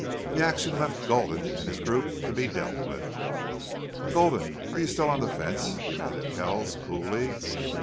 This action left Gulden and his group to be dealt with. "Gulden, are you still on the fence?" demanded Kells, coolly.